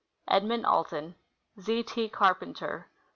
Edmund Alton. Z. T. Carpenter.